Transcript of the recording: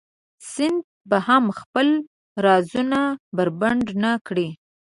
سنت به هم خپل رازونه بربنډ نه کړي.